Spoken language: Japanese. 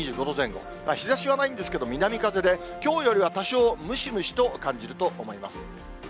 日ざしはないんですけど、南風できょうよりは多少、ムシムシと感じると思います。